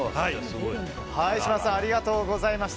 島田さんありがとうございました。